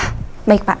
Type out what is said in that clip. ah baik pak